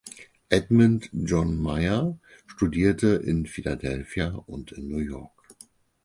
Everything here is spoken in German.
Edmund John Myer studierte in Philadelphia und in New York.